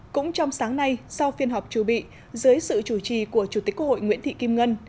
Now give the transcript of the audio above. cũng trong sáng nay sau phiên họp trù bị dưới sự chủ trì của chủ tịch quốc hội nguyễn thị kim ngân